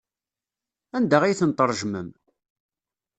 Anda ay ten-tṛejmem?